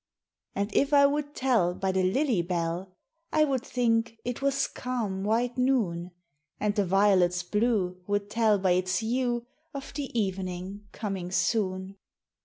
And if I would tell by the lily bell, I would think it was calm, white noon; And the violet's blue would tell by its hue Of the evening coming soon.